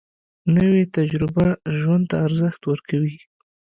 نوې تجربه ژوند ته ارزښت ورکوي